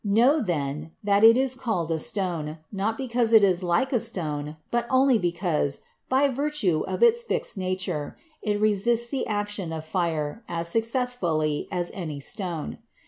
... Know, then, that it is called a stone,, not because it is like a stone, but only because, by virtue of its fixed nature, it resists the action of fire as successfully as any stone.